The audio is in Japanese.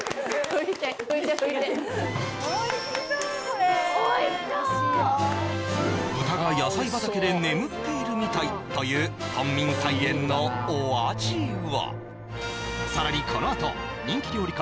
おいしそうこれおいしそう豚が野菜畑で眠っているみたいという豚眠菜園のお味は？